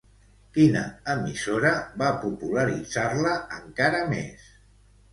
Quina emissora va popularitzar-la encara més?